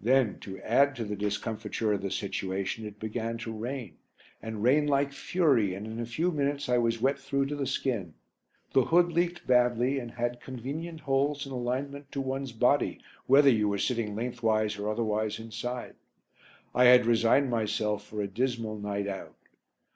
Then, to add to the discomfiture of the situation, it began to rain, and rain like fury, and in a few minutes I was wet through to the skin. The hood leaked badly and had convenient holes in alignment to one's body, whether you were sitting lengthways or otherwise inside. I had resigned myself for a dismal night out.